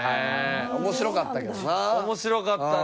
面白かったけどな。